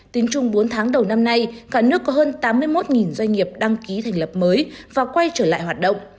tính chung bốn tháng đầu năm nay cả nước có hơn tám mươi một doanh nghiệp đăng ký thành lập mới và quay trở lại hoạt động